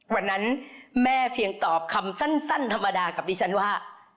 วันนั้นแม่เพียงตอบคำสั้นธรรมดากับดิฉันว่า